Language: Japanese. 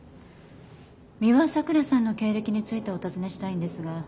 美羽さくらさんの経歴についてお尋ねしたいんですが。